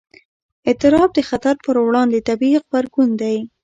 اضطراب د خطر پر وړاندې طبیعي غبرګون دی.